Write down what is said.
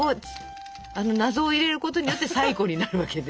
あの謎を入れることによって最古になるわけで。